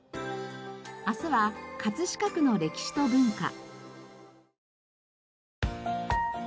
明日は「飾区の歴史と文化」。